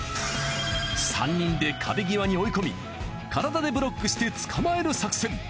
３人で壁際に追い込み体でブロックして捕まえる作戦。